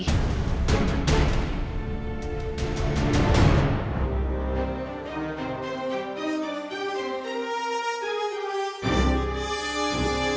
kau akan mencari riri